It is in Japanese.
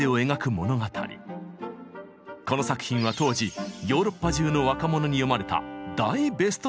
この作品は当時ヨーロッパ中の若者に読まれた大ベストセラーでした。